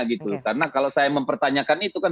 karena kalau saya mempertanyakan itu kan